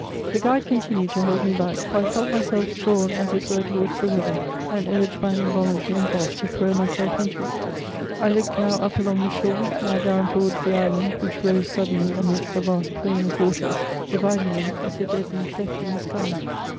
The guide continued to hold me back, for I felt myself drawn as it were towards the river, and urged by an involuntary impulse to throw myself into it. I looked now up along the shore, now down towards the island which rose suddenly amidst the vast plain of waters, dividing them as if they had been cleft in the sky.